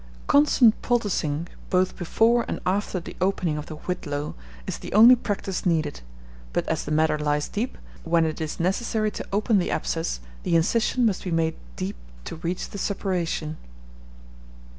Constant poulticing both before and after the opening of the whitlow, is the only practice needed; but as the matter lies deep, when it is necessary to open the abscess, the incision must be made deep to reach the suppuration.